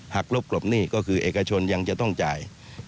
กรบกลบหนี้ก็คือเอกชนยังจะต้องจ่าย